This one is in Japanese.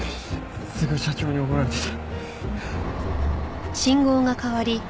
すごい社長に怒られてた。